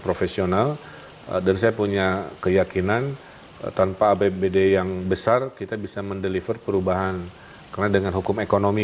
punya keyakinan tanpa abbd yang besar kita bisa mendeliver perubahan karena dengan hukum ekonomi